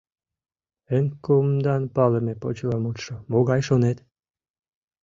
Эн кумдан палыме почеламутшо могай шонет?